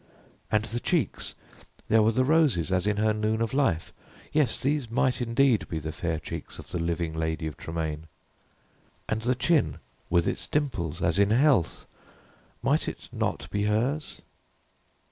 And the cheeks there were the roses as in her noon of life yes, these might indeed be the fair cheeks of the living Lady of Tremaine. And the chin, with its dimples, as in health, might it not be hers?